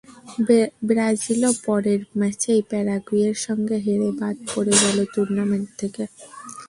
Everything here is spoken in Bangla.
ব্রাজিলও পরের ম্যাচেই প্যারাগুয়ের সঙ্গে হেরে বাদ পড়ে গেল টুর্নামেন্ট থেকে।